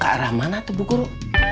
ke arah mana atu bu guru